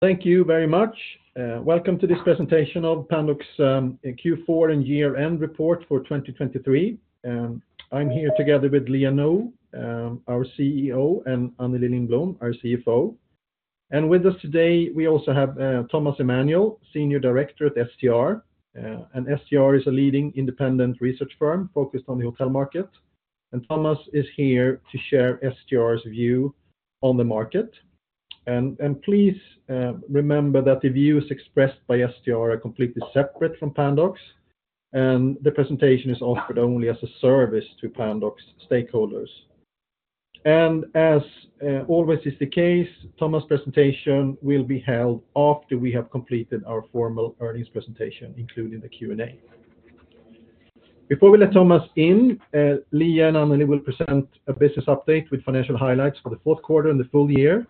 Thank you very much. Welcome to this presentation of Pandox, Q4 and year-end report for 2023. I'm here together with Liia Nõu, our CEO, and Anneli Lindblom, our CFO. With us today, we also have Thomas Emanuel, Senior Director at STR. STR is a leading independent research firm focused on the hotel market, and Thomas is here to share STR's view on the market. Please remember that the views expressed by STR are completely separate from Pandox, and the presentation is offered only as a service to Pandox stakeholders. As always is the case, Thomas' presentation will be held after we have completed our formal earnings presentation, including the Q&A. Before we let Thomas in, Liia and Anneli will present a business update with financial highlights for the fourth quarter and the full year,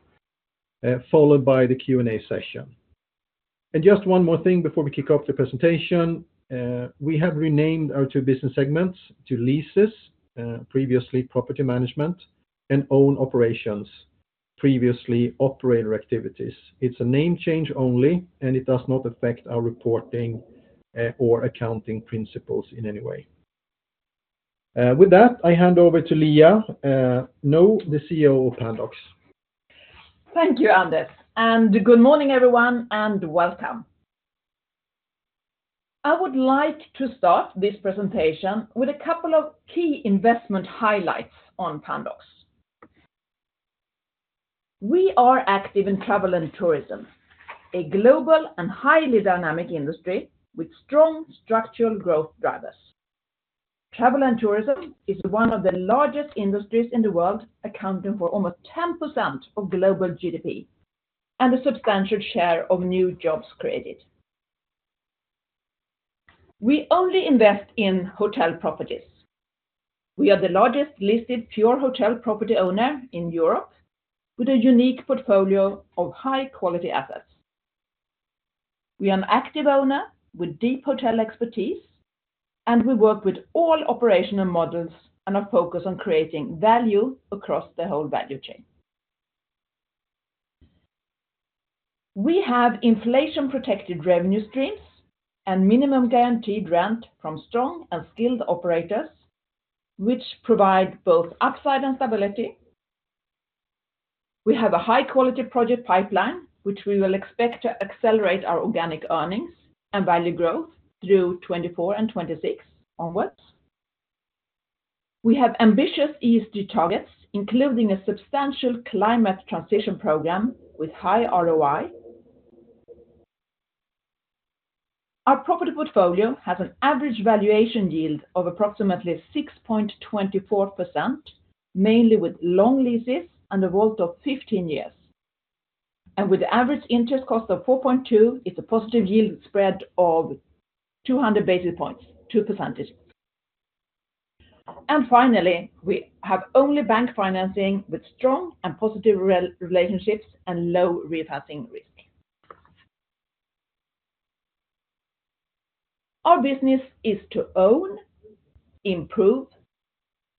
followed by the Q&A session. And just one more thing before we kick off the presentation. We have renamed our two business segments to Leases, previously Property Management, and Own Operations, previously Operator Activities. It's a name change only, and it does not affect our reporting, or accounting principles in any way. With that, I hand over to Liia Nõu, the CEO of Pandox. Thank you, Anders, and good morning, everyone, and welcome. I would like to start this presentation with a couple of key investment highlights on Pandox. We are active in travel and tourism, a global and highly dynamic industry with strong structural growth drivers. Travel and tourism is one of the largest industries in the world, accounting for almost 10% of global GDP and a substantial share of new jobs created. We only invest in hotel properties. We are the largest listed pure hotel property owner in Europe, with a unique portfolio of high-quality assets. We are an active owner with deep hotel expertise, and we work with all operational models and are focused on creating value across the whole value chain. We have inflation-protected revenue streams and minimum guaranteed rent from strong and skilled operators, which provide both upside and stability. We have a high-quality project pipeline, which we will expect to accelerate our organic earnings and value growth through 2024 and 2026 onwards. We have ambitious ESG targets, including a substantial climate transition program with high ROI. Our property portfolio has an average valuation yield of approximately 6.24%, mainly with long leases and a WALT of 15 years. And with average interest cost of 4.2, it's a positive yield spread of 200 basis points, 2%. And finally, we have only bank financing with strong and positive relationships and low refinancing risk. Our business is to own, improve,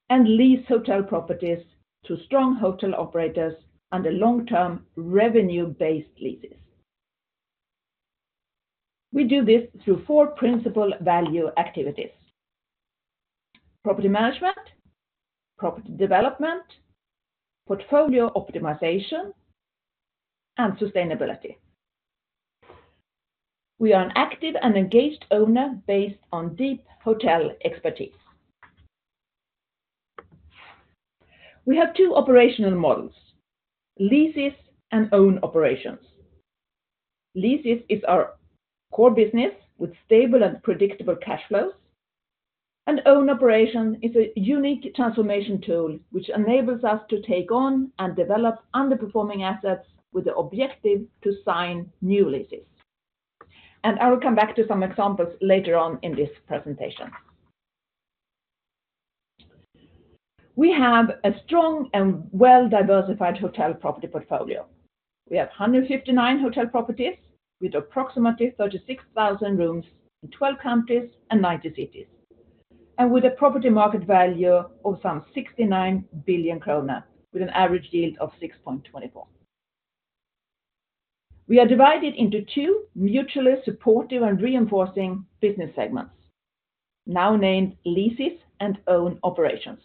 and lease hotel properties to strong hotel operators under long-term revenue-based leases. We do this through four principal value activities: property management, property development, portfolio optimization, and sustainability. We are an active and engaged owner based on deep hotel expertise. We have two operational models, leases and own operations. Leases is our core business with stable and predictable cash flows, and own operation is a unique transformation tool, which enables us to take on and develop underperforming assets with the objective to sign new leases. And I will come back to some examples later on in this presentation. We have a strong and well-diversified hotel property portfolio. We have 159 hotel properties with approximately 36,000 rooms in 12 countries and 90 cities, and with a property market value of some 69 billion krona, with an average yield of 6.24. We are divided into two mutually supportive and reinforcing business segments, now named Leases and Own Operations.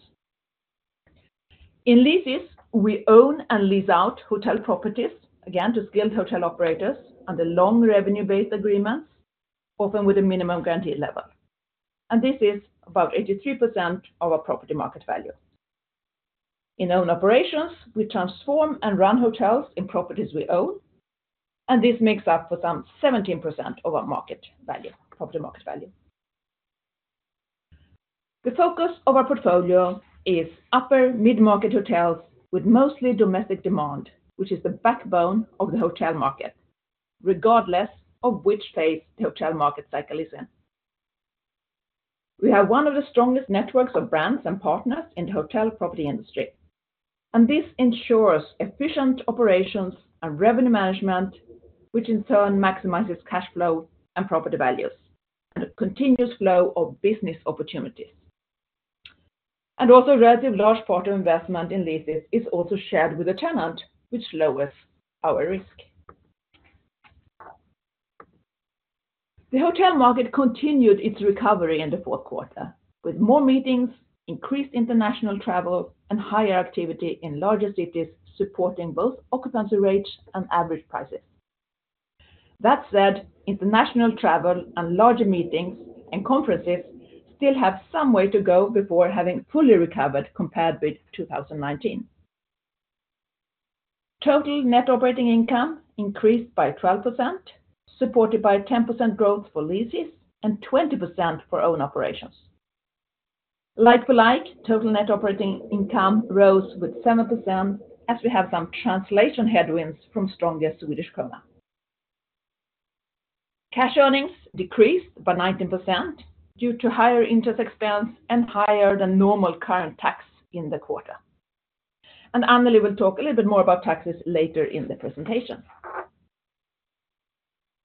In leases, we own and lease out hotel properties, again, to skilled hotel operators under long revenue-based agreements, often with a minimum guarantee level. This is about 83% of our property market value. In own operations, we transform and run hotels in properties we own, and this makes up for some 17% of our market value, property market value. The focus of our portfolio is upper-mid-market hotels with mostly domestic demand, which is the backbone of the hotel market, regardless of which phase the hotel market cycle is in. We have one of the strongest networks of brands and partners in the hotel property industry, and this ensures efficient operations and revenue management, which in turn maximizes cash flow and property values, and a continuous flow of business opportunities. Also, a relatively large part of investment in leases is also shared with the tenant, which lowers our risk. The hotel market continued its recovery in the fourth quarter, with more meetings, increased international travel, and higher activity in larger cities, supporting both occupancy rates and average prices. That said, international travel and larger meetings and conferences still have some way to go before having fully recovered compared with 2019. Total net operating income increased by 12%, supported by 10% growth for leases and 20% for own operations. Like for like, total net operating income rose with 7%, as we have some translation headwinds from stronger Swedish krona. Cash earnings decreased by 19% due to higher interest expense and higher than normal current tax in the quarter. Anneli will talk a little bit more about taxes later in the presentation.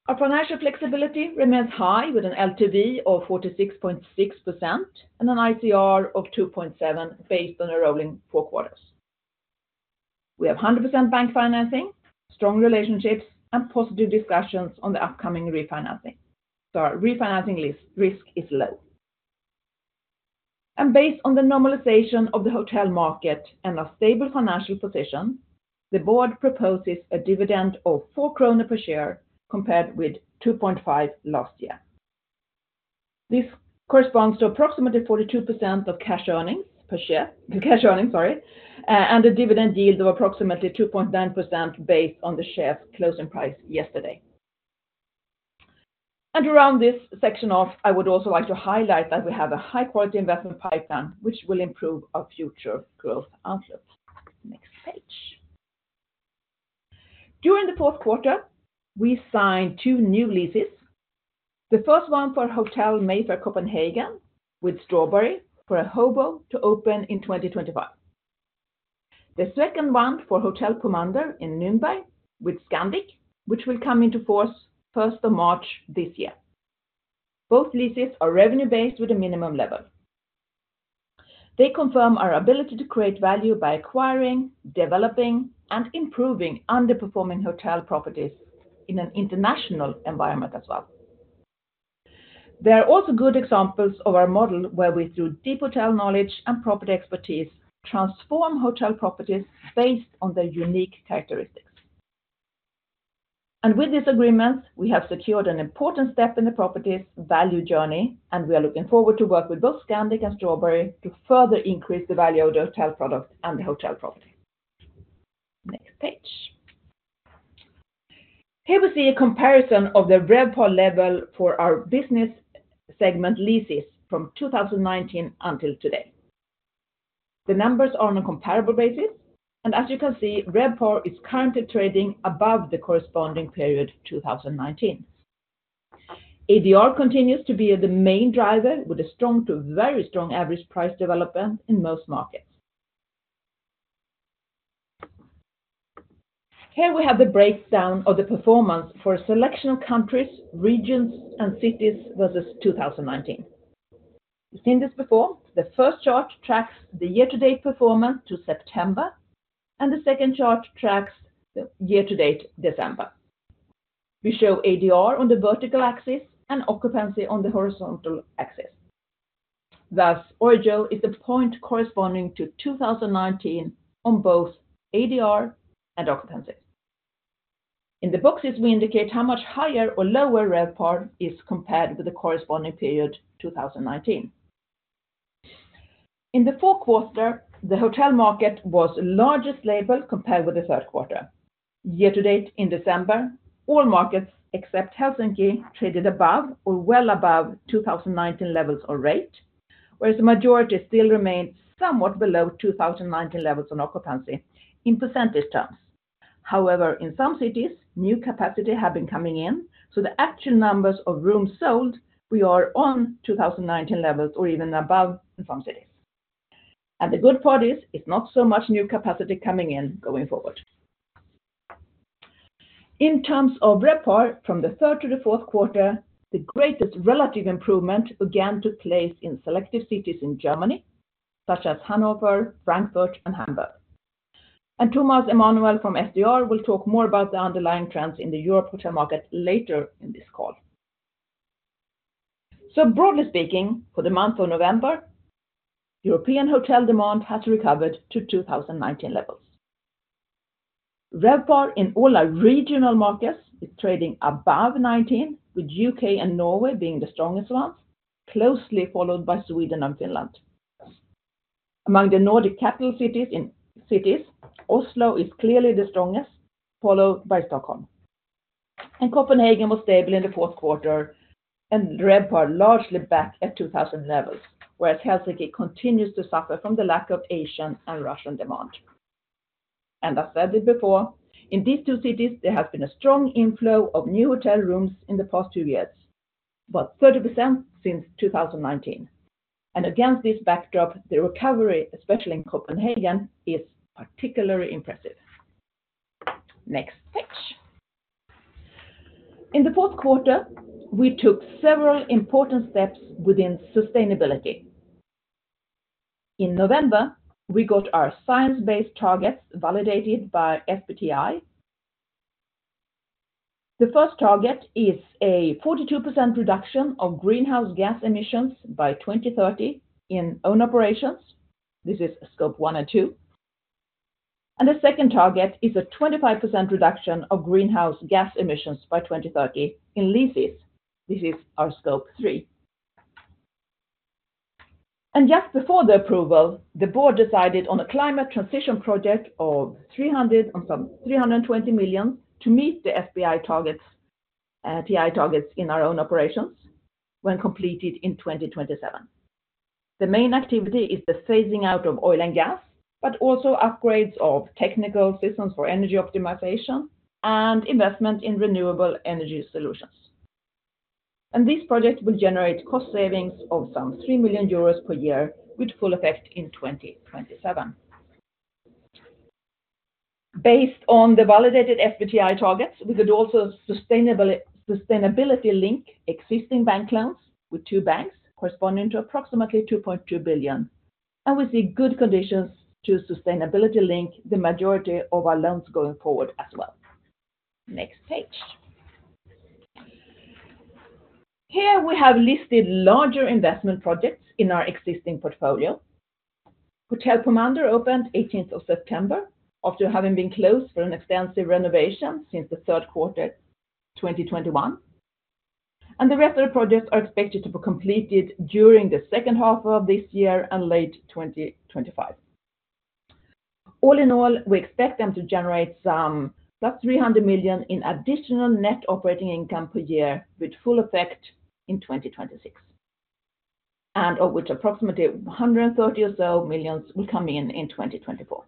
Our financial flexibility remains high, with an LTV of 46.6% and an ICR of 2.7, based on a rolling four quarters. We have 100% bank financing, strong relationships, and positive discussions on the upcoming refinancing. So our refinancing lease risk is low. Based on the normalization of the hotel market and a stable financial position, the board proposes a dividend of 4 kronor per share, compared with 2.5 SEK last year. This corresponds to approximately 42% of cash earnings per share, the cash earnings, sorry, and a dividend yield of approximately 2.9% based on the share closing price yesterday. To round this section off, I would also like to highlight that we have a high-quality investment pipeline, which will improve our future growth outlook. Next page. During the fourth quarter, we signed two new leases. The first one for Hotel Mayfair Copenhagen, with Strawberry, for a Hobo to open in 2025. The second one for Hotel Pomander in Nürnberg, with Scandic, which will come into force March 1 this year. Both leases are revenue-based with a minimum level. They confirm our ability to create value by acquiring, developing, and improving underperforming hotel properties in an international environment as well. They are also good examples of our model, where we, through deep hotel knowledge and property expertise, transform hotel properties based on their unique characteristics. And with these agreements, we have secured an important step in the property's value journey, and we are looking forward to work with both Scandic and Strawberry to further increase the value of the hotel product and the hotel property. Next page. Here we see a comparison of the RevPAR level for our business segment leases from 2019 until today. The numbers are on a comparable basis, and as you can see, RevPAR is currently trading above the corresponding period, 2019. ADR continues to be the main driver, with a strong to very strong average price development in most markets. Here we have the breakdown of the performance for a selection of countries, regions, and cities versus 2019. You've seen this before. The first chart tracks the year-to-date performance to September, and the second chart tracks the year-to-date December. We show ADR on the vertical axis and occupancy on the horizontal axis. Thus, origin is the point corresponding to 2019 on both ADR and occupancy. In the boxes, we indicate how much higher or lower RevPAR is compared with the corresponding period, 2019. In the fourth quarter, the hotel market was largely stable compared with the third quarter. Year to date in December, all markets, except Helsinki, traded above or well above 2019 levels on rate, whereas the majority still remained somewhat below 2019 levels on occupancy in percentage terms. However, in some cities, new capacity have been coming in, so the actual numbers of rooms sold, we are on 2019 levels or even above in some cities. And the good part is, it's not so much new capacity coming in going forward. In terms of RevPAR from the third to the fourth quarter, the greatest relative improvement began to take place in select cities in Germany, such as Hanover, Frankfurt, and Hamburg. Thomas Emanuel from STR will talk more about the underlying trends in the European hotel market later in this call. So broadly speaking, for the month of November, European hotel demand has recovered to 2019 levels. RevPAR in all our regional markets is trading above 2019, with U.K. and Norway being the strongest ones, closely followed by Sweden and Finland. Among the Nordic capital cities, Oslo is clearly the strongest, followed by Stockholm. Copenhagen was stable in the fourth quarter, and RevPAR largely back at 2019 levels, whereas Helsinki continues to suffer from the lack of Asian and Russian demand. I said it before, in these two cities, there has been a strong inflow of new hotel rooms in the past two years, about 30% since 2019. Against this backdrop, the recovery, especially in Copenhagen, is particularly impressive. In the fourth quarter, we took several important steps within sustainability. In November, we got our science-based targets validated by SBTi. The first target is a 42% reduction of greenhouse gas emissions by 2030 in own operations. This is Scope one and two. And the second target is a 25% reduction of greenhouse gas emissions by 2030 in leases. This is our Scope three. And just before the approval, the board decided on a climate transition project of 320 million to meet the SBTi targets in our own operations when completed in 2027. The main activity is the phasing out of oil and gas, but also upgrades of technical systems for energy optimization and investment in renewable energy solutions. This project will generate cost savings of some 3 million euros per year, with full effect in 2027. Based on the validated SBTi targets, we could also sustainability link existing bank loans with two banks, corresponding to approximately 2.2 billion. And we see good conditions to sustainability link the majority of our loans going forward as well. Next page. Here, we have listed larger investment projects in our existing portfolio. Hotel Hotel Kommandør opened the 18th of September, after having been closed for an extensive renovation since the third quarter 2021. And the rest of the projects are expected to be completed during the second half of this year and late 2025. All in all, we expect them to generate some +300 million in additional net operating income per year, with full effect in 2026, and of which approximately 130 million or so will come in, in 2024.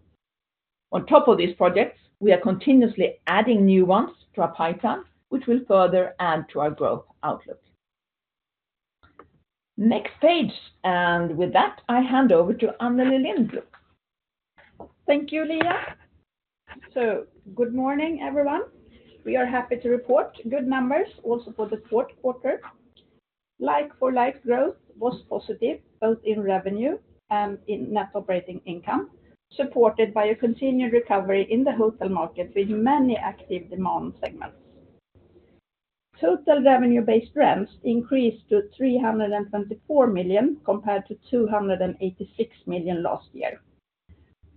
On top of these projects, we are continuously adding new ones to our pipeline, which will further add to our growth outlook. Next page, and with that, I hand over to Anneli Lindblom. Thank you, Liia. So good morning, everyone. We are happy to report good numbers also for the fourth quarter. Like-for-like growth was positive, both in revenue and in net operating income, supported by a continued recovery in the hotel market with many active demand segments. Total revenue-based rents increased to 324 million, compared to 286 million last year.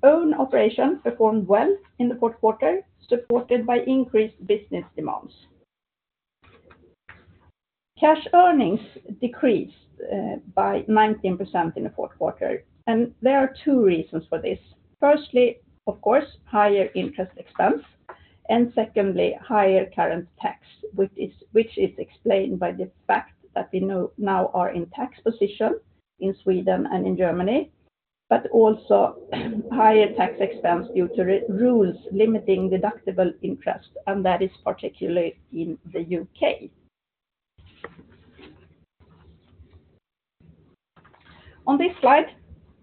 Own operations performed well in the fourth quarter, supported by increased business demands. Cash earnings decreased by 19% in the fourth quarter, and there are two reasons for this. Firstly, of course, higher interest expense, and secondly, higher current tax, which is explained by the fact that we now are in tax position in Sweden and in Germany, but also higher tax expense due to rules limiting deductible interest, and that is particularly in the U.K. On this slide,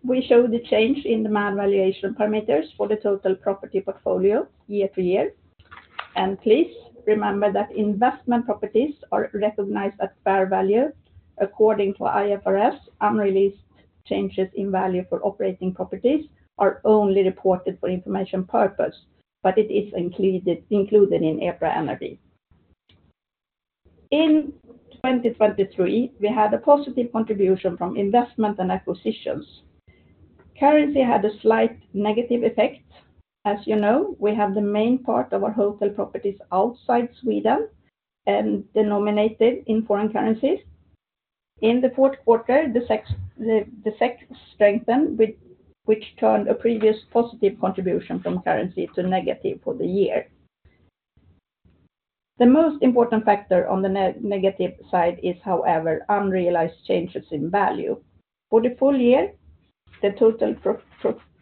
we show the change in demand valuation parameters for the total property portfolio year-over-year. Please remember that investment properties are recognized at fair value. According to IFRS, unrealized changes in value for operating properties are only reported for information purpose, but it is included in EPRA NRV. In 2023, we had a positive contribution from investment and acquisitions. Currency had a slight negative effect. As you know, we have the main part of our hotel properties outside Sweden and denominated in foreign currencies. In the fourth quarter, the SEK strengthened, which turned a previous positive contribution from currency to negative for the year. The most important factor on the negative side is, however, unrealized changes in value. For the full year, the total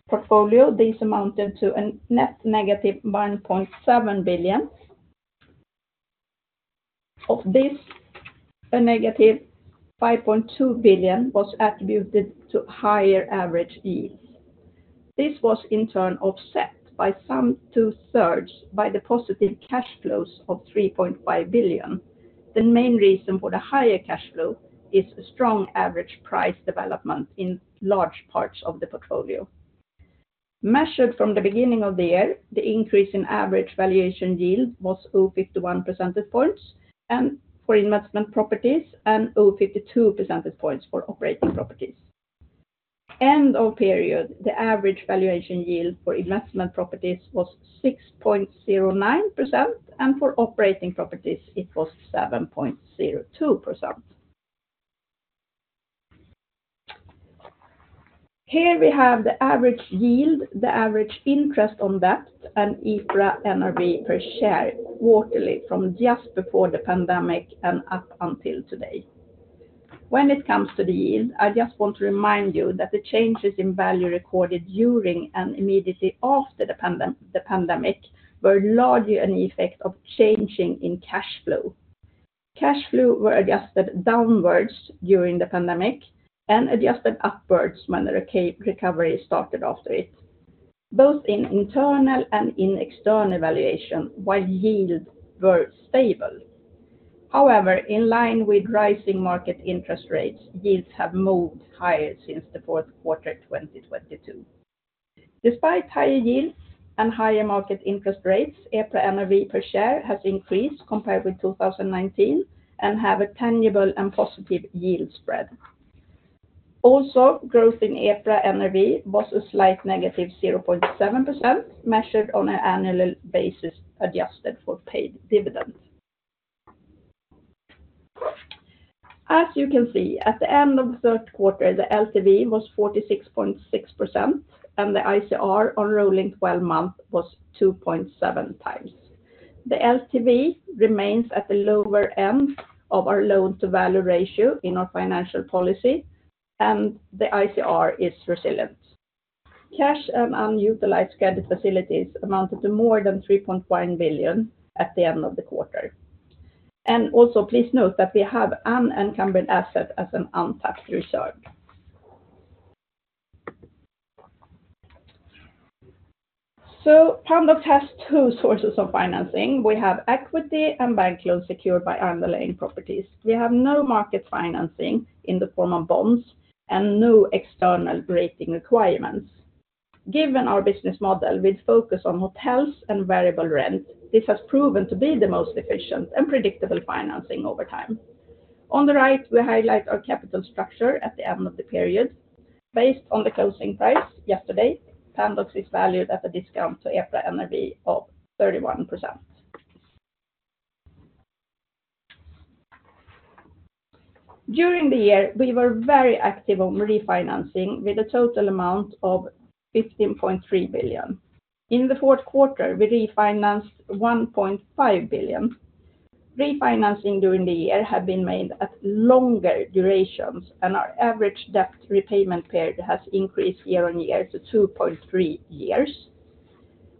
portfolio, this amounted to a net negative SEK 1.7 billion. Of this, -5.2 billion was attributed to higher average yields. This was in turn, offset by some two-thirds by the positive cash flows of 3.5 billion. The main reason for the higher cash flow is a strong average price development in large parts of the portfolio. Measured from the beginning of the year, the increase in average valuation yield was 0.51 percentage points, and for investment properties, and 0.52 percentage points for operating properties. End of period, the average valuation yield for investment properties was 6.09%, and for operating properties, it was 7.02%. Here we have the average yield, the average interest on debt, and EPRA NRV per share quarterly from just before the pandemic and up until today. When it comes to the yield, I just want to remind you that the changes in value recorded during and immediately after the pandemic were largely an effect of changing in cash flow. Cash flow were adjusted downwards during the pandemic and adjusted upwards when the recovery started after it. Both in internal and in external valuation, while yields were stable. However, in line with rising market interest rates, yields have moved higher since the fourth quarter, 2022. Despite higher yields and higher market interest rates, EPRA NAV per share has increased compared with 2019, and have a tangible and positive yield spread. Also, growth in EPRA NAV was a slight -0.7%, measured on an annual basis, adjusted for paid dividends. As you can see, at the end of the third quarter, the LTV was 46.6%, and the ICR on rolling twelve-month was 2.7x. The LTV remains at the lower end of our loan-to-value ratio in our financial policy, and the ICR is resilient. Cash and unutilized credit facilities amounted to more than 3.1 billion at the end of the quarter. Also, please note that we have an encumbered asset as an untapped reserve. Pandox has two sources of financing. We have equity and bank loans secured by underlying properties. We have no market financing in the form of bonds and no external rating requirements. Given our business model, with focus on hotels and variable rent, this has proven to be the most efficient and predictable financing over time. On the right, we highlight our capital structure at the end of the period. Based on the closing price yesterday, Pandox is valued at a discount to EPRA NAV of 31%. During the year, we were very active on refinancing, with a total amount of 15.3 billion. In the fourth quarter, we refinanced 1.5 billion. Refinancing during the year have been made at longer durations, and our average debt repayment period has increased year-on-year to 2.3 years.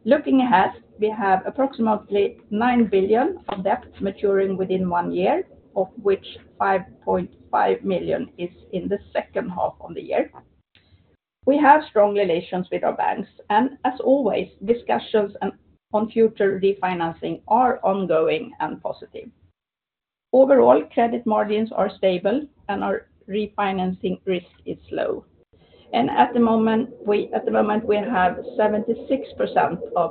Looking ahead, we have approximately 9 billion of debt maturing within one year, of which 5.5 million is in the second half of the year. We have strong relations with our banks, and as always, discussions on future refinancing are ongoing and positive. Overall, credit margins are stable, and our refinancing risk is low. At the moment, we have 76% of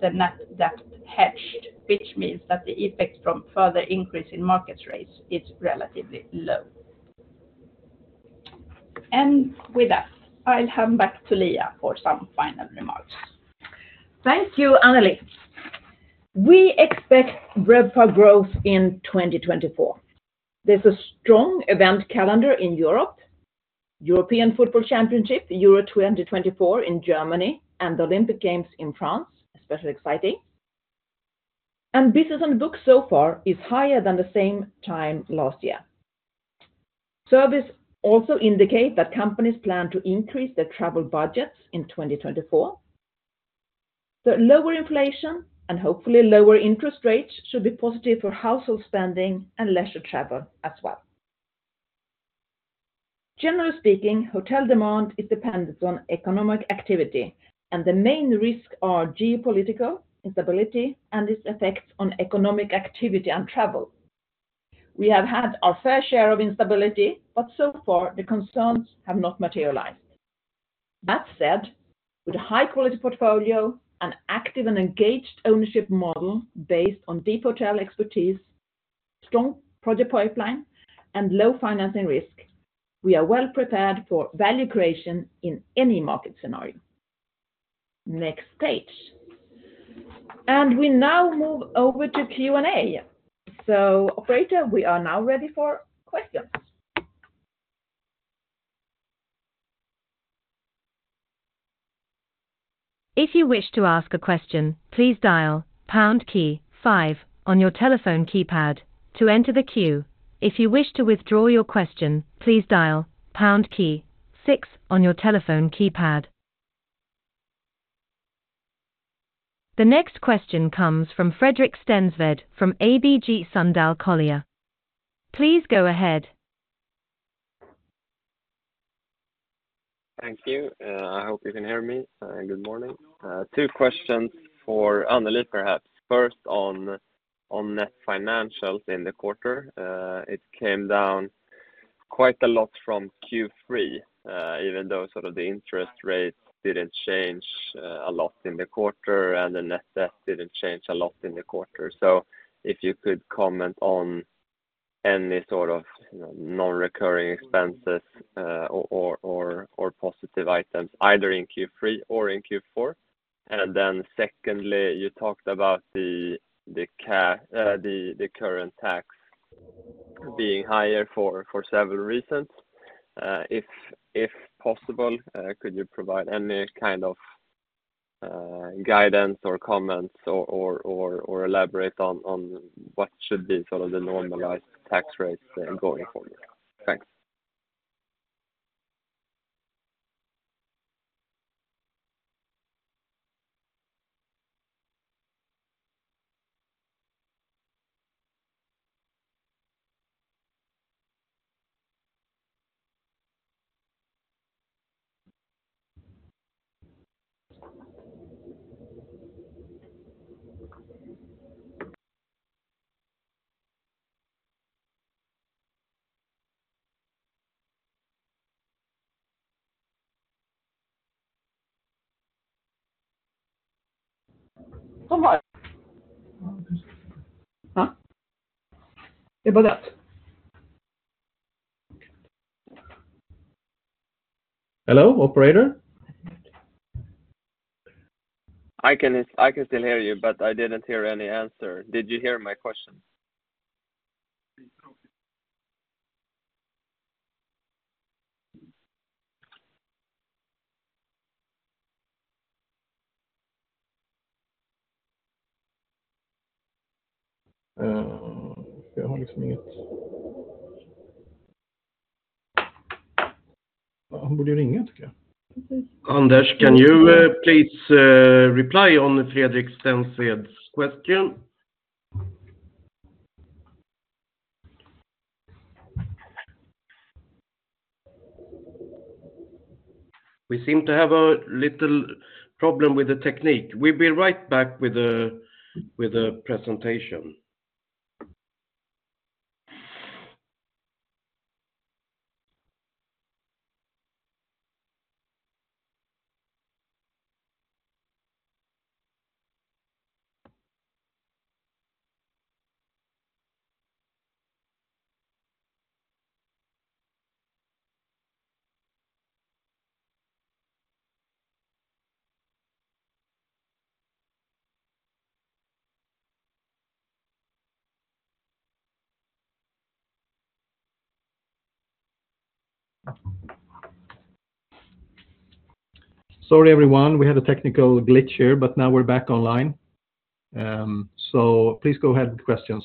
the net debt hedged, which means that the effect from further increase in market rates is relatively low. With that, I'll hand back to Liia for some final remarks. Thank you, Anneli. We expect RevPAR growth in 2024. There's a strong event calendar in Europe, European Football Championship, Euro 2024 in Germany, and the Olympic Games in France, especially exciting. Business on books so far is higher than the same time last year. Surveys also indicate that companies plan to increase their travel budgets in 2024. The lower inflation and hopefully lower interest rates should be positive for household spending and leisure travel as well. Generally speaking, hotel demand is dependent on economic activity, and the main risks are geopolitical instability and its effects on economic activity and travel. We have had our fair share of instability, but so far, the concerns have not materialized. That said, with a high-quality portfolio, an active and engaged ownership model based on deep hotel expertise, strong project pipeline, and low financing risk, we are well-prepared for value creation in any market scenario. Next page. We now move over to Q&A. Operator, we are now ready for questions. If you wish to ask a question, please dial pound key five on your telephone keypad to enter the queue. If you wish to withdraw your question, please dial pound key six on your telephone keypad. The next question comes from Fredrik Stensved from ABG Sundal Collier. Please go ahead. Thank you. I hope you can hear me, good morning. Two questions for Anneli, perhaps. First, on net financials in the quarter. It came down quite a lot from Q3, even though sort of the interest rates didn't change a lot in the quarter and the net debt didn't change a lot in the quarter. So if you could comment on any sort of non-recurring expenses or positive items, either in Q3 or in Q4. And then secondly, you talked about the current tax being higher for several reasons. If possible, could you provide any kind of guidance or comments or elaborate on what should be sort of the normalized tax rates going forward? Thanks. ... Hello, operator? I can, I can still hear you, but I didn't hear any answer. Did you hear my question? I have nothing. He should ring, I think. Anders, can you please reply on Fredrik Stensved's question? We seem to have a little problem with the technology. We'll be right back with the presentation. Sorry, everyone, we had a technical glitch here, but now we're back online. So please go ahead with questions.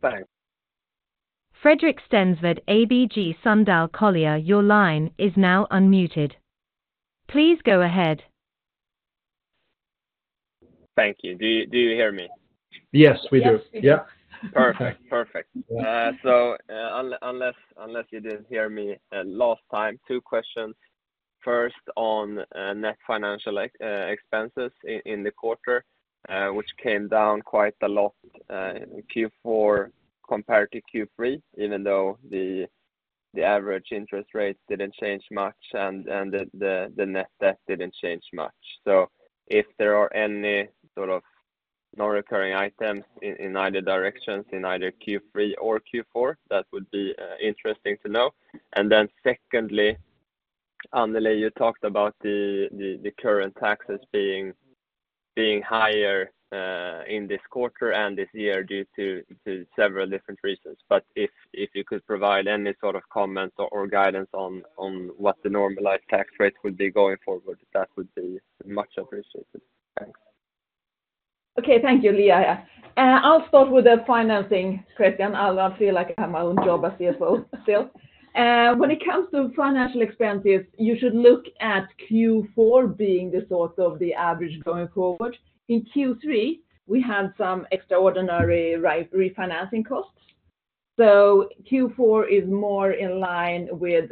Thanks. Fredrik Stensved, ABG Sundal Collier, your line is now unmuted. Please go ahead. Thank you. Do you hear me? Yes, we do. Yes, we do. Yeah. Perfect. Perfect. So, unless, unless you didn't hear me last time, two questions. First, on net financial expenses in the quarter, which came down quite a lot in Q4 compared to Q3, even though the average interest rates didn't change much, and the net debt didn't change much. So if there are any sort of non-recurring items in either directions, in either Q3 or Q4, that would be interesting to know. And then secondly, Anneli, you talked about the current taxes being higher in this quarter and this year due to several different reasons. But if you could provide any sort of comments or guidance on what the normalized tax rate would be going forward, that would be much appreciated. Thanks. Okay, thank you, Lia. I'll start with the financing question. I'll, I feel like I have my own job as CFO still. When it comes to financial expenses, you should look at Q4 being the source of the average going forward. In Q3, we had some extraordinary refinancing costs, so Q4 is more in line with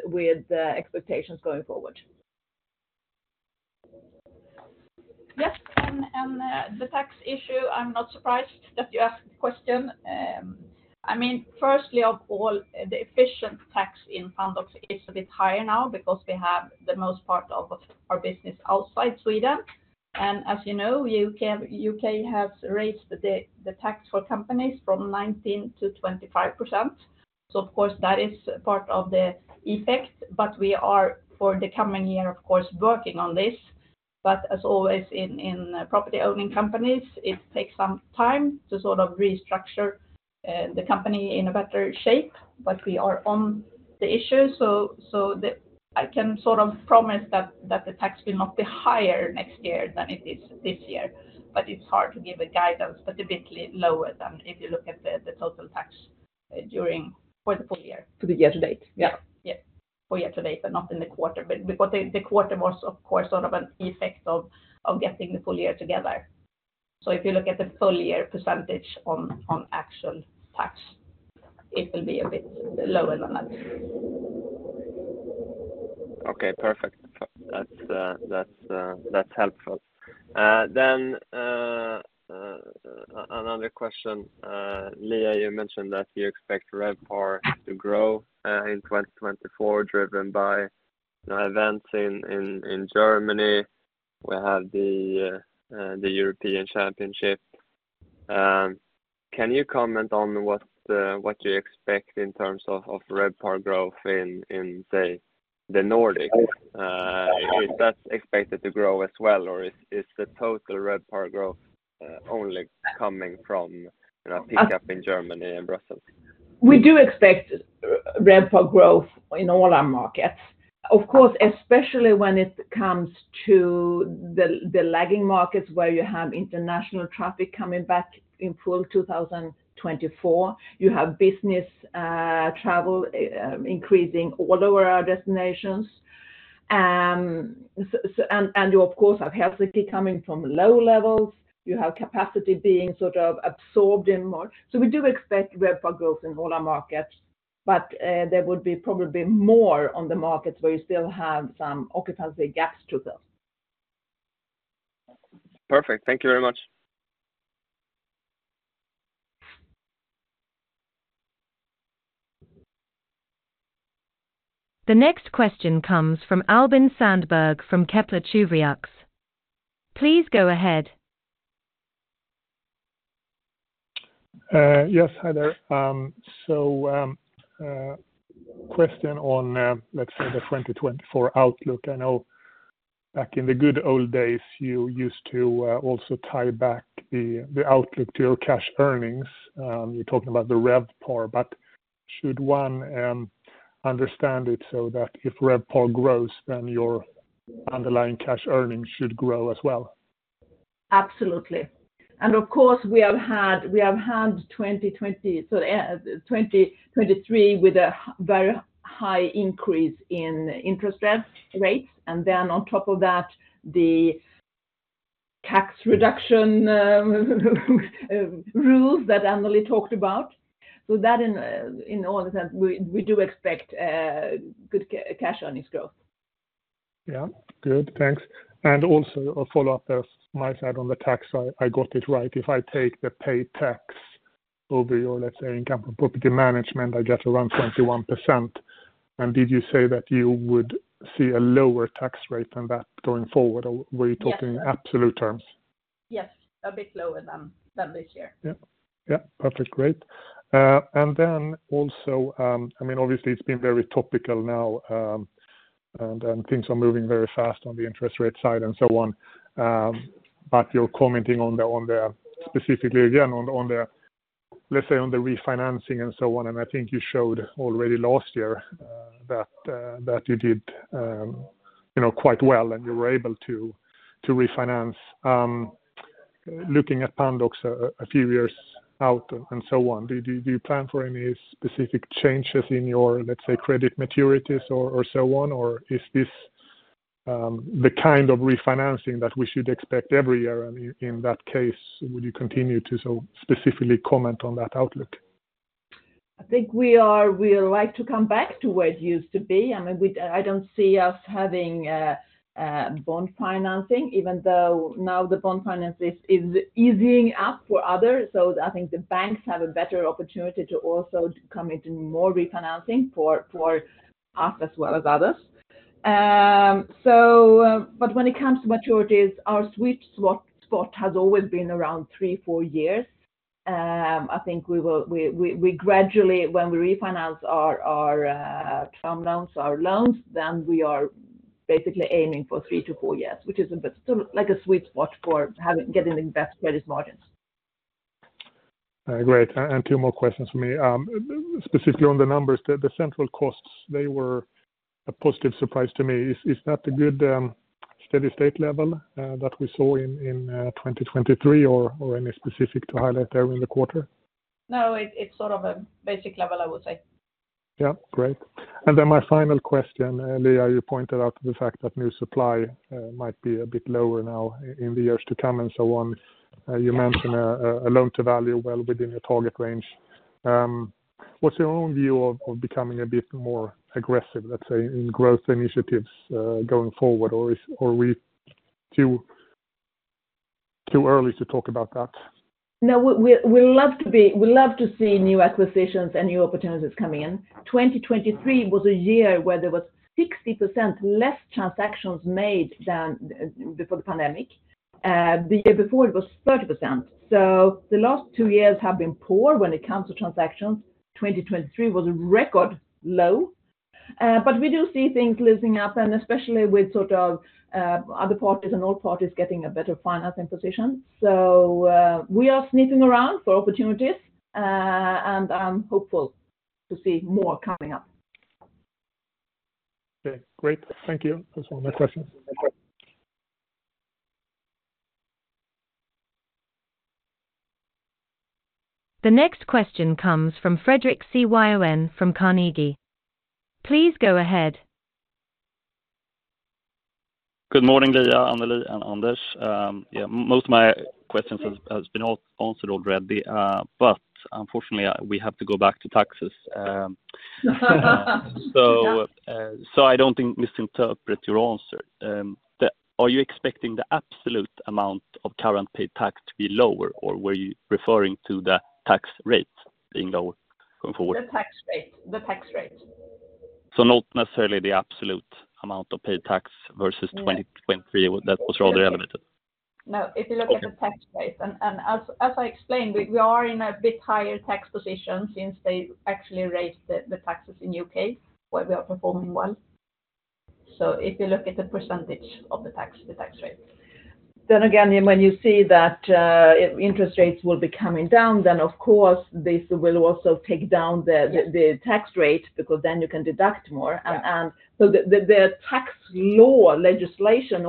the expectations going forward. Yes, and the tax issue, I'm not surprised that you asked the question. I mean, firstly, of all, the efficient tax in Pandox is a bit higher now because we have the most part of our business outside Sweden. And as you know, U.K. has raised the tax for companies from 19%-25%. So of course, that is part of the effect, but we are, for the coming year, of course, working on this. But as always, in property-owning companies, it takes some time to sort of restructure the company in a better shape, but we are on the issue. So the... I can sort of promise that the tax will not be higher next year than it is this year, but it's hard to give a guidance, specifically lower than if you look at the total tax during for the full year. To the year-to-date. Yeah. Yep. For year-to-date, but not in the quarter. But because the quarter was, of course, sort of an effect of getting the full year together. So if you look at the full year percentage on actual tax, it will be a bit lower than that. Okay, perfect. That's, that's helpful. Then, another question. Liia, you mentioned that you expect RevPAR to grow in 2024, driven by the events in Germany. We have the European Championship. Can you comment on what you expect in terms of RevPAR growth in, say, the Nordics? Is that expected to grow as well, or is the total RevPAR growth only coming from a pickup in Germany and Brussels? We do expect RevPAR growth in all our markets. Of course, especially when it comes to the lagging markets, where you have international traffic coming back in full 2024. You have business travel increasing all over our destinations. And you, of course, have Helsinki coming from low levels, you have capacity being sort of absorbed in more. So we do expect RevPAR growth in all our markets, but there would be probably more on the markets where you still have some occupancy gaps to fill. Perfect. Thank you very much. The next question comes from Albin Sandberg from Kepler Cheuvreux. Please go ahead. Yes, hi there. So, question on, let's say the 2024 outlook. I know back in the good old days, you used to also tie back the outlook to your cash earnings. You're talking about the RevPAR, but should one understand it so that if RevPAR grows, then your underlying cash earnings should grow as well? Absolutely. And of course, we have had 2023 with a very high increase in interest rates. And then on top of that, the tax reduction rules that Anneli talked about. So that in all the sense, we do expect good cash earnings growth. Yeah. Good, thanks. Also a follow-up as my side on the tax side, I got it right. If I take the paid tax over your, let's say, income from property management, I get around 21%. Did you say that you would see a lower tax rate than that going forward, or were you talking- Yes. -absolute terms? Yes, a bit lower than this year. Yep. Yep, perfect. Great. And then also, I mean, obviously, it's been very topical now, and things are moving very fast on the interest rate side and so on. But you're commenting on the specifically, again, on the refinancing and so on. And I think you showed already last year that you did, you know, quite well, and you were able to refinance. Looking at Pandox a few years out and so on, do you plan for any specific changes in your, let's say, credit maturities or so on? Or is this the kind of refinancing that we should expect every year? And in that case, would you continue to so specifically comment on that outlook? I think we are—we like to come back to where it used to be. I mean, we—I don't see us having bond financing, even though now the bond financing is easing up for others. So I think the banks have a better opportunity to also come into more refinancing for us as well as others. But when it comes to maturities, our sweet spot has always been around three, four years. I think we will gradually, when we refinance our term loans, our loans, then we are basically aiming for three to four years, which is a bit still like a sweet spot for having, getting the best credit margins. Great. And two more questions for me. Specifically on the numbers, the central costs, they were a positive surprise to me. Is that a good steady state level that we saw in 2023, or any specific to highlight there in the quarter? No, it's sort of a basic level, I would say. Yeah, great. And then my final question, Liia, you pointed out the fact that new supply might be a bit lower now in the years to come and so on. Yeah. You mentioned a loan to value well within your target range. What's your own view of becoming a bit more aggressive, let's say, in growth initiatives going forward, or are we too early to talk about that? No, we love to see new acquisitions and new opportunities coming in. 2023 was a year where there was 60% less transactions made than before the pandemic. The year before, it was 30%. So the last two years have been poor when it comes to transactions. 2023 was a record low. But we do see things loosening up, and especially with sort of other parties and all parties getting a better financing position. So, we are sneaking around for opportunities, and I'm hopeful to see more coming up. Okay, great. Thank you. That's all my questions. The next question comes from Fredric Cyon from Carnegie. Please go ahead. Good morning, Liia, Anneli, and Anders. Yeah, most of my questions has been answered already, but unfortunately, we have to go back to taxes. So, I don't think misinterpret your answer. Are you expecting the absolute amount of current paid tax to be lower, or were you referring to the tax rate being lower going forward? The tax rate, the tax rate. Not necessarily the absolute amount of paid tax versus 2023. No. That was rather elevated. No, if you look at the tax rate, and as I explained, we are in a bit higher tax position since they actually raised the taxes in U.K., where we are performing well. So if you look at the percentage of the tax, the tax rate. Then again, when you see that interest rates will be coming down, then of course, this will also take down the tax rate because then you can deduct more. Yeah. And so the tax law legislation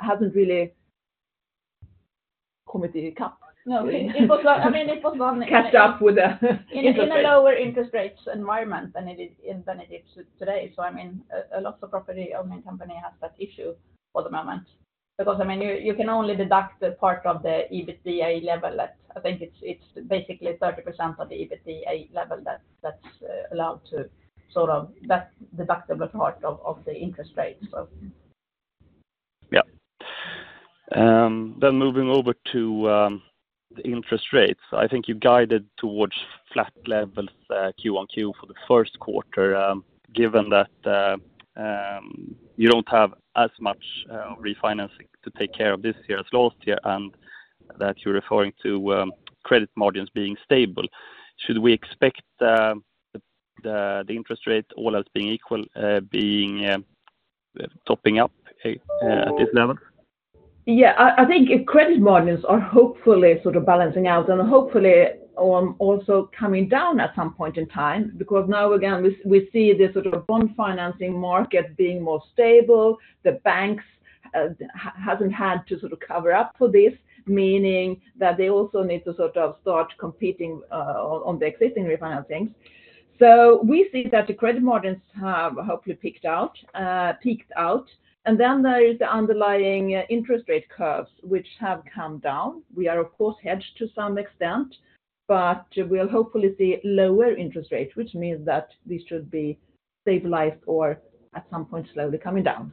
hasn't really caught up with the interest rates. No, it was, I mean, it was one catch up with the interest rates. In a lower interest rates environment than it is today. So, I mean, a lot of property-owning companies have that issue for the moment, because, I mean, you can only deduct the part of the EBITDA level that—I think it's basically 30% of the EBITDA level that's allowed to sort of that deductible part of the interest rate, so. Yeah. Then moving over to the interest rates. I think you guided towards flat levels, Q-on-Q for the first quarter. Given that you don't have as much refinancing to take care of this year as last year, and that you're referring to credit margins being stable. Should we expect the interest rate, all else being equal, topping up at this level? Yeah, I think credit margins are hopefully sort of balancing out and hopefully also coming down at some point in time, because now, again, we see this sort of bond financing market being more stable. The banks haven't had to sort of cover up for this, meaning that they also need to sort of start competing on the existing refinancings. So we see that the credit margins have hopefully peaked out, peaked out, and then there is the underlying interest rate curves, which have come down. We are, of course, hedged to some extent, but we'll hopefully see lower interest rates, which means that this should be stabilized or at some point slowly coming down.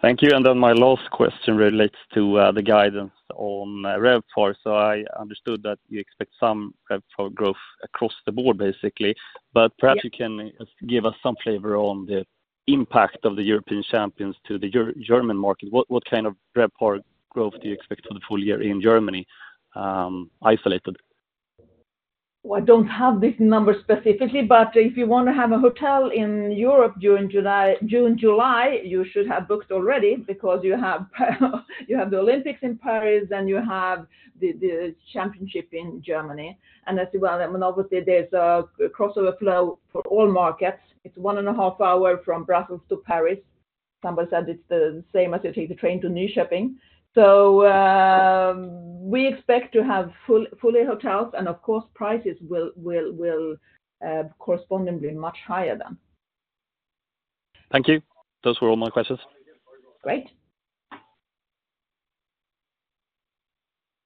Thank you. And then my last question relates to the guidance on RevPAR. So I understood that you expect some RevPAR growth across the board, basically- Yeah. But perhaps you can give us some flavor on the impact of the European champions to the German market. What kind of RevPAR growth do you expect for the full year in Germany, isolated? Well, I don't have this number specifically, but if you want to have a hotel in Europe during June, July, you should have booked already because you have the Olympics in Paris, and you have the championship in Germany. And as well, I mean, obviously, there's a crossover flow for all markets. It's 1.5 hours from Brussels to Paris. Somebody said it's the same as you take the train to Nyköping. So, we expect to have full, fully hotels, and of course, prices will correspondingly much higher then. Thank you. Those were all my questions. Great.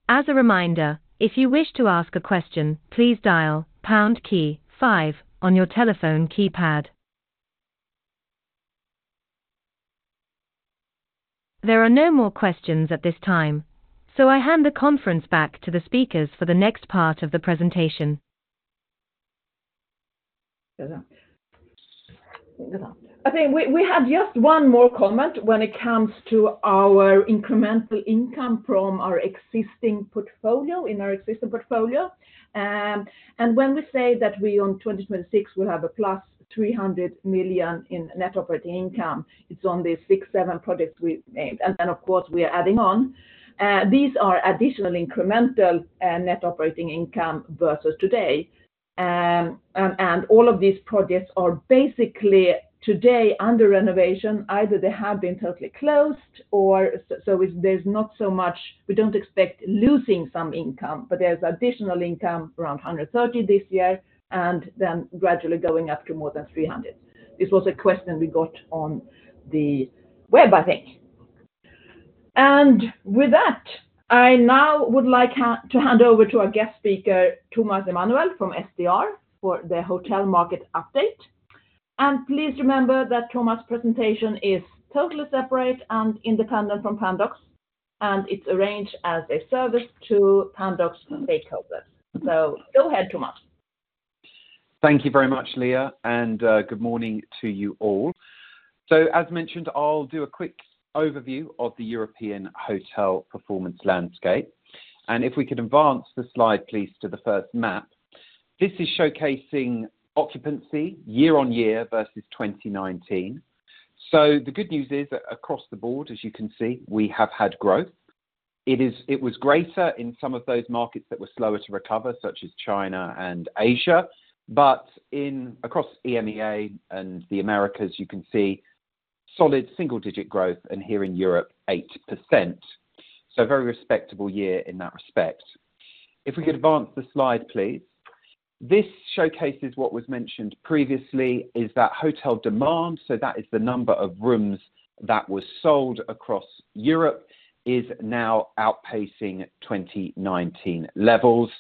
As a reminder, if you wish to ask a question, please dial pound key five on your telephone keypad. There are no more questions at this time, so I hand the conference back to the speakers for the next part of the presentation. I think we have just one more comment when it comes to our incremental income from our existing portfolio. And when we say that we, on 2026, will have +300 million in net operating income, it's on the 6, 7 projects we made. And of course, we are adding on. These are additional incremental net operating income versus today. And all of these projects are basically today under renovation. Either they have been totally closed or. So there's not so much, we don't expect losing some income, but there's additional income around 130 million this year, and then gradually going up to more than 300 million. This was a question we got on the web, I think. And with that, I now would like to hand over to our guest speaker, Thomas Emanuel from STR, for the hotel market update. And please remember that Thomas' presentation is totally separate and independent from Pandox, and it's arranged as a service to Pandox stakeholders. So go ahead, Thomas. Thank you very much, Leah, and good morning to you all. So, as mentioned, I'll do a quick overview of the European hotel performance landscape. If we could advance the slide, please, to the first map. This is showcasing occupancy year-on-year versus 2019. So the good news is, that across the board, as you can see, we have had growth. It was greater in some of those markets that were slower to recover, such as China and Asia. Across EMEA and the Americas, you can see solid single-digit growth, and here in Europe, 8%. So a very respectable year in that respect. If we could advance the slide, please. This showcases what was mentioned previously, is that hotel demand, so that is the number of rooms that were sold across Europe, is now outpacing 2019 levels.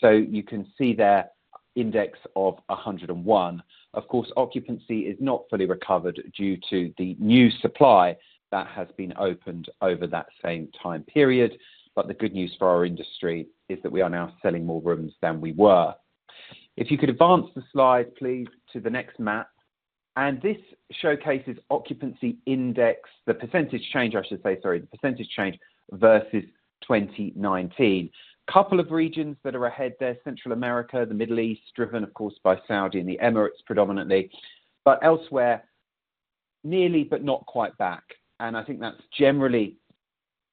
So you can see there, index of 101. Of course, occupancy is not fully recovered due to the new supply that has been opened over that same time period, but the good news for our industry is that we are now selling more rooms than we were. If you could advance the slide, please, to the next map. And this showcases occupancy index, the percentage change, I should say, sorry, the percentage change versus 2019. Couple of regions that are ahead there, Central America, the Middle East, driven, of course, by Saudi and the Emirates, predominantly, but elsewhere, nearly but not quite back. And I think that's generally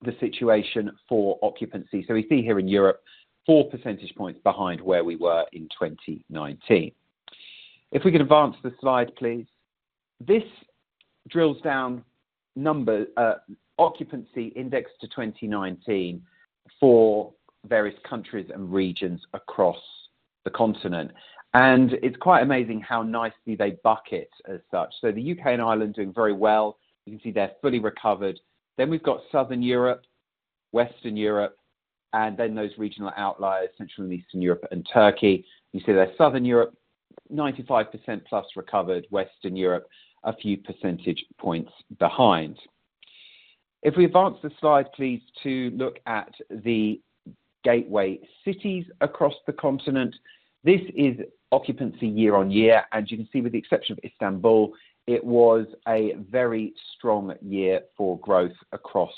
the situation for occupancy. So we see here in Europe, 4 percentage points behind where we were in 2019. If we can advance the slide, please. This drills down numbers, occupancy index to 2019 for various countries and regions across the continent, and it's quite amazing how nicely they bucket as such. So the UK and Ireland are doing very well. You can see they're fully recovered. Then we've got Southern Europe, Western Europe, and then those regional outliers, Central and Eastern Europe and Turkey. You see there, Southern Europe, 95%+ recovered, Western Europe, a few percentage points behind. If we advance the slide, please, to look at the gateway cities across the continent, this is occupancy year-on-year, and you can see, with the exception of Istanbul, it was a very strong year for growth across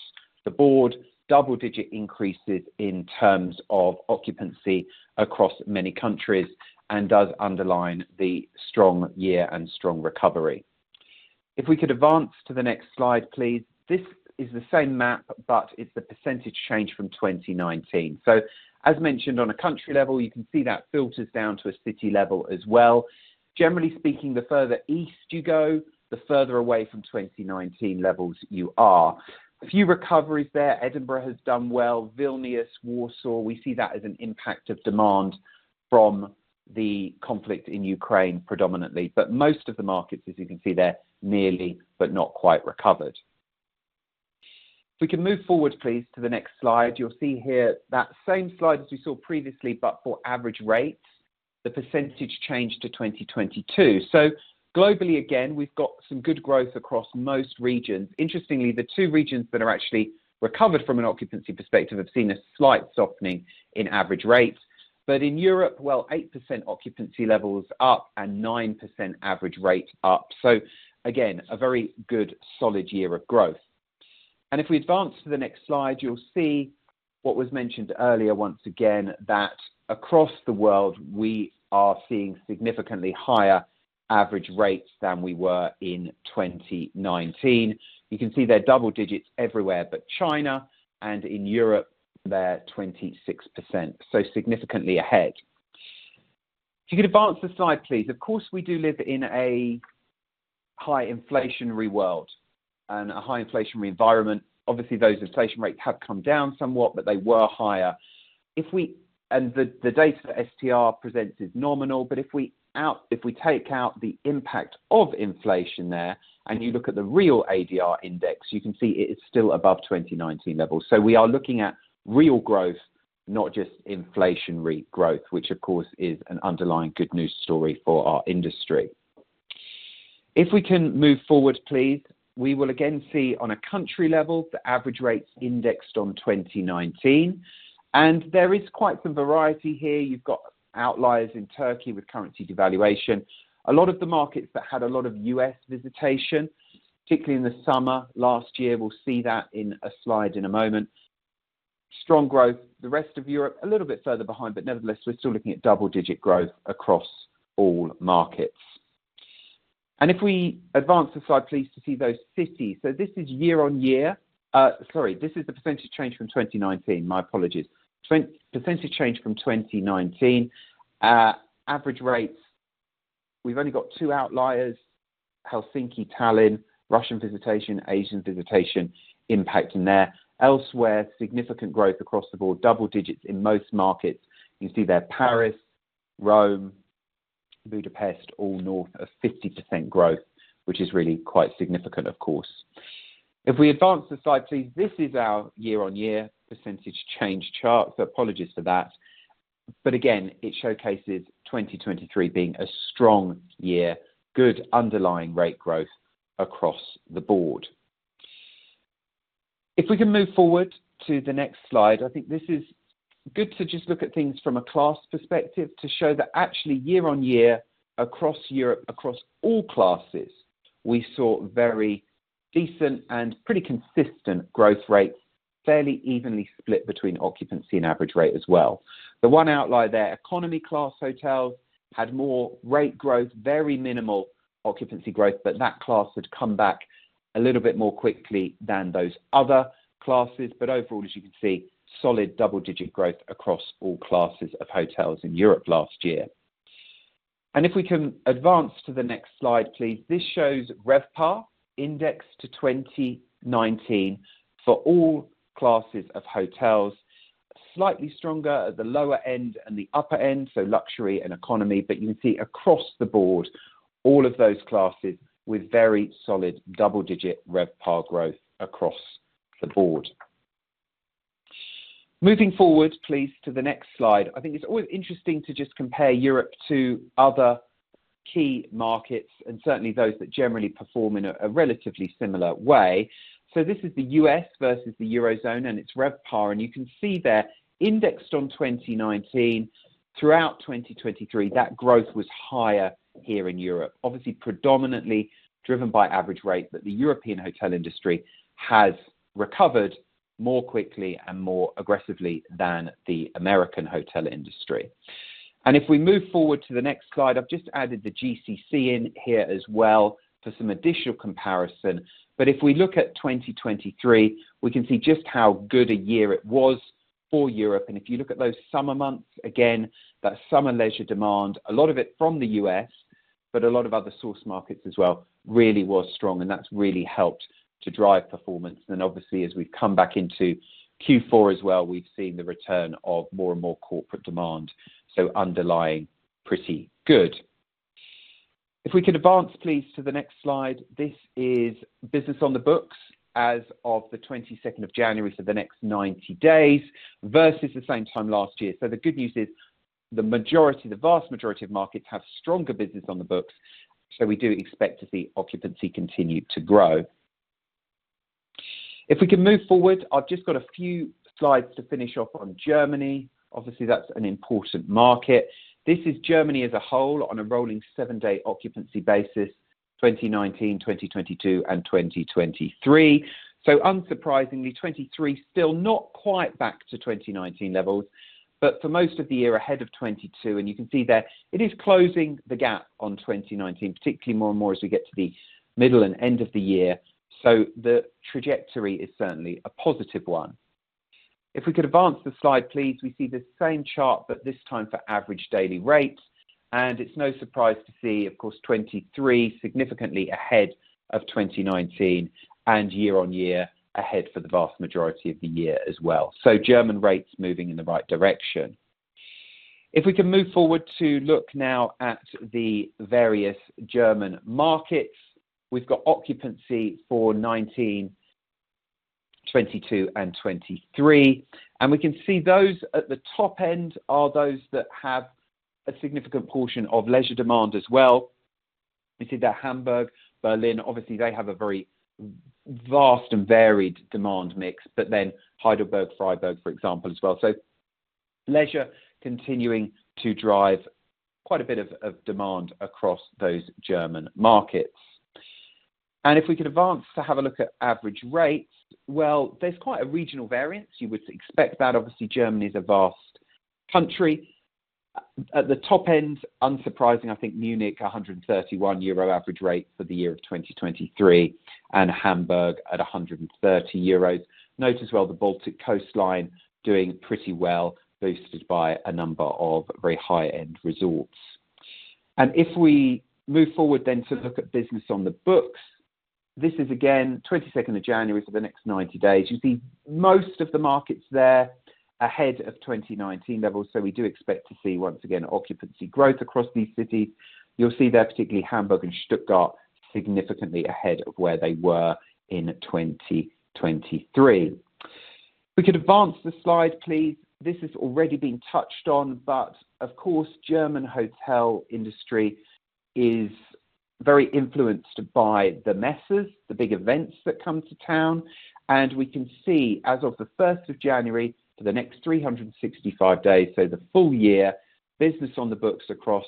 the board. Double-digit increases in terms of occupancy across many countries and does underline the strong year and strong recovery. If we could advance to the next slide, please. This is the same map, but it's the percentage change from 2019. So, as mentioned, on a country level, you can see that filters down to a city level as well. Generally speaking, the further east you go, the further away from 2019 levels you are. A few recoveries there. Edinburgh has done well. Vilnius, Warsaw, we see that as an impact of demand from the conflict in Ukraine, predominantly, but most of the markets, as you can see there, nearly but not quite recovered. If we can move forward, please, to the next slide. You'll see here that same slide as we saw previously, but for average rates, the percentage change to 2022. So globally, again, we've got some good growth across most regions. Interestingly, the two regions that are actually recovered from an occupancy perspective have seen a slight softening in average rates. But in Europe, well, 8% occupancy levels up and 9% average rate up. So again, a very good solid year of growth. And if we advance to the next slide, you'll see what was mentioned earlier, once again, that across the world, we are seeing significantly higher average rates than we were in 2019. You can see they're double digits everywhere, but China and in Europe, they're 26%, so significantly ahead. If you could advance the slide, please. Of course, we do live in a high inflationary world and a high inflationary environment. Obviously, those inflation rates have come down somewhat, but they were higher. The data that STR presents is nominal, but if we take out the impact of inflation there, and you look at the real ADR index, you can see it is still above 2019 levels. So we are looking at real growth, not just inflationary growth, which of course, is an underlying good news story for our industry. If we can move forward, please, we will again see on a country level the average rates indexed on 2019, and there is quite some variety here. You've got outliers in Turkey with currency devaluation. A lot of the markets that had a lot of U.S. visitation, particularly in the summer last year, we'll see that in a slide in a moment. Strong growth. The rest of Europe, a little bit further behind, but nevertheless, we're still looking at double-digit growth across all markets. If we advance the slide, please, to see those cities. So this is year-on-year. Sorry, this is the percentage change from 2019. My apologies. Percentage change from 2019. Average rates, we've only got two outliers, Helsinki, Tallinn, Russian visitation, Asian visitation impacting there. Elsewhere, significant growth across the board, double digits in most markets. You see there, Paris, Rome, Budapest, all north of 50% growth, which is really quite significant, of course. If we advance the slide, please. This is our year-on-year percentage change chart. So apologies for that. But again, it showcases 2023 being a strong year, good underlying rate growth across the board. If we can move forward to the next slide, I think this is good to just look at things from a class perspective to show that actually year-on-year, across Europe, across all classes, we saw very decent and pretty consistent growth rates, fairly evenly split between occupancy and average rate as well. The one outlier there, economy class hotels, had more rate growth, very minimal occupancy growth, but that class had come back a little bit more quickly than those other classes. Overall, as you can see, solid double-digit growth across all classes of hotels in Europe last year. If we can advance to the next slide, please. This shows RevPAR indexed to 2019 for all classes of hotels. Slightly stronger at the lower end and the upper end, so luxury and economy, but you can see across the board, all of those classes with very solid double-digit RevPAR growth across the board. Moving forward, please, to the next slide. I think it's always interesting to just compare Europe to other key markets and certainly those that generally perform in a relatively similar way. So this is the U.S. versus the Eurozone and its RevPAR, and you can see there, indexed on 2019 throughout 2023, that growth was higher here in Europe. Obviously, predominantly driven by average rates, but the European hotel industry has recovered more quickly and more aggressively than the American hotel industry. And if we move forward to the next slide, I've just added the GCC in here as well for some additional comparison. But if we look at 2023, we can see just how good a year it was... for Europe, and if you look at those summer months, again, that summer leisure demand, a lot of it from the U.S., but a lot of other source markets as well, really was strong, and that's really helped to drive performance. Then obviously, as we've come back into Q4 as well, we've seen the return of more and more corporate demand, so underlying pretty good. If we could advance, please, to the next slide. This is business on the books as of the 22nd of January, so the next 90 days, versus the same time last year. So the good news is the majority, the vast majority of markets have stronger business on the books, so we do expect to see occupancy continue to grow. If we can move forward, I've just got a few slides to finish off on Germany. Obviously, that's an important market. This is Germany as a whole on a rolling seven-day occupancy basis, 2019, 2022, and 2023. So unsurprisingly, 2023 still not quite back to 2019 levels, but for most of the year ahead of 2022, and you can see there, it is closing the gap on 2019, particularly more and more as we get to the middle and end of the year. So the trajectory is certainly a positive one. If we could advance the slide, please, we see the same chart, but this time for average daily rates. And it's no surprise to see, of course, 2023 significantly ahead of 2019 and year on year ahead for the vast majority of the year as well. So German rates moving in the right direction. If we can move forward to look now at the various German markets, we've got occupancy for 19, 2022, and 2023. And we can see those at the top end are those that have a significant portion of leisure demand as well. We see that Hamburg, Berlin, obviously, they have a very vast and varied demand mix, but then Heidelberg, Freiburg, for example, as well. So leisure continuing to drive quite a bit of demand across those German markets. And if we could advance to have a look at average rates, well, there's quite a regional variance. You would expect that. Obviously, Germany is a vast country. At the top end, unsurprising, I think Munich, 131 euro average rate for the year of 2023, and Hamburg at 130 euros. Note as well, the Baltic coastline doing pretty well, boosted by a number of very high-end resorts. If we move forward then to look at business on the books, this is, again, 22nd of January for the next 90 days. You see most of the markets there ahead of 2019 levels, so we do expect to see, once again, occupancy growth across these cities. You'll see there, particularly Hamburg and Stuttgart, significantly ahead of where they were in 2023. If we could advance the slide, please. This has already been touched on, but of course, the German hotel industry is very influenced by the Messen, the big events that come to town, and we can see as of the first of January for the next 365 days, so the full year, business on the books across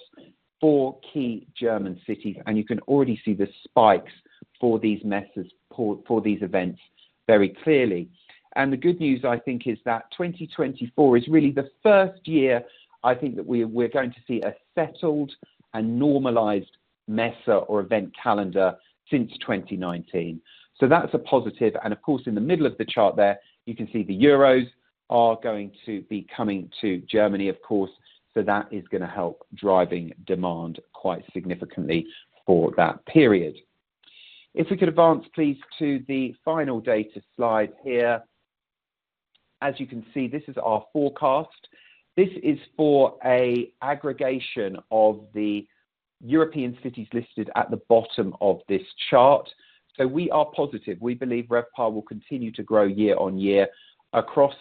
four key German cities, and you can already see the spikes for these Messen, for these events very clearly. The good news, I think, is that 2024 is really the first year I think that we're going to see a settled and normalized Messe or event calendar since 2019. So that's a positive. And of course, in the middle of the chart there, you can see the Euros are going to be coming to Germany, of course, so that is gonna help driving demand quite significantly for that period. If we could advance, please, to the final data slide here. As you can see, this is our forecast. This is for an aggregation of the European cities listed at the bottom of this chart. So we are positive. We believe RevPAR will continue to grow year on year across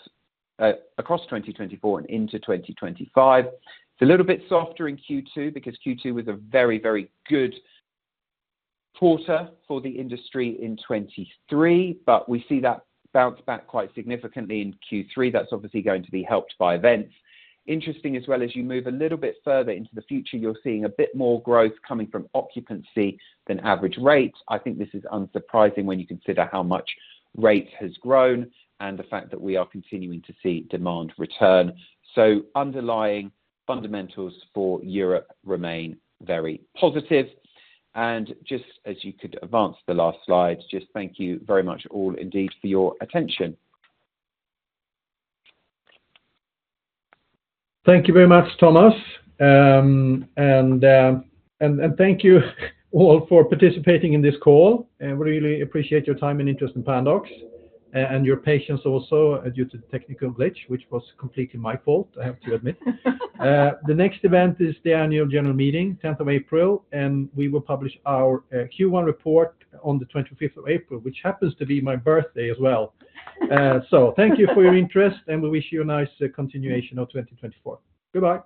2024 and into 2025. It's a little bit softer in Q2, because Q2 was a very, very good quarter for the industry in 2023, but we see that bounce back quite significantly in Q3. That's obviously going to be helped by events. Interesting as well as you move a little bit further into the future, you're seeing a bit more growth coming from occupancy than average rates. I think this is unsurprising when you consider how much rate has grown and the fact that we are continuing to see demand return. Underlying fundamentals for Europe remain very positive. Just as you could advance the last slide, just thank you very much all indeed for your attention. Thank you very much, Thomas. And thank you all for participating in this call. I really appreciate your time and interest in Pandox, and your patience also due to the technical glitch, which was completely my fault, I have to admit. The next event is the annual general meeting, 10th of April, and we will publish our Q1 report on the 25th of April, which happens to be my birthday as well. Thank you for your interest, and we wish you a nice continuation of 2024. Goodbye.